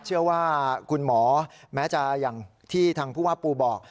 เชื่อว่าคุณหมอแม้จะอย่างที่ทางผู้ว่าปูบอก